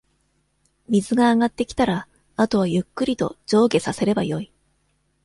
水が上がってきたら、あとはゆっくりと、上下させればよい。